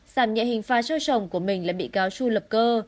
giảm nhẹ hình phạt cho chồng của mình là bị cáo chu lập cơ